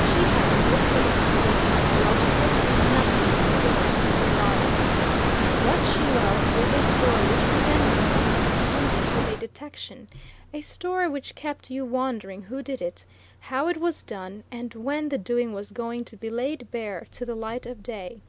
She had no taste for the psychological, and nothing but scorn for the erotic. What she loved was a story which began with crime and ended with a detection a story which kept you wondering who did it, how it was done, and when the doing was going to be laid bare to the light of day.